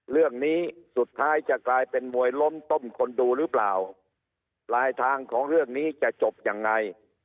เรื่องนี้สุดท้ายจะกลายเป็นมวยล้มต้มคนดูหรือเปล่าปลายทางของเรื่องนี้จะจบยังไง